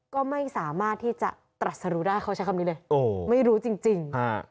ก็ไม่สามารถที่จะตรัสรู้ได้เขาใช้คำนี้เลยไม่รู้จริง